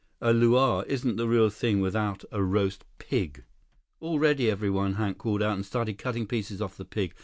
A luau isn't the real thing without a roast pig. "All ready, everyone," Hank called out, and started cutting pieces of the pig.